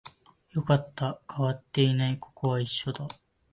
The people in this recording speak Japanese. よかった、変わっていない、ここは一緒だ